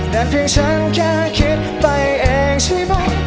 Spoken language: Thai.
แต่เพียงฉันแค่คิดไปเองใช่ไหม